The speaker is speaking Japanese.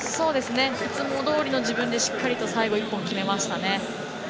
いつもどおりの自分でしっかりと最後１本決めましたね。